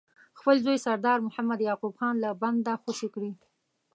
خپل زوی سردار محمد یعقوب خان له بنده خوشي کړي.